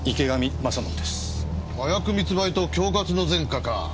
麻薬密売と恐喝の前科か。